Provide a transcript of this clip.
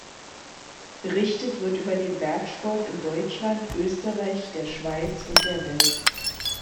Berichtet wird über den Bergsport in Deutschland, Österreich, der Schweiz und der Welt.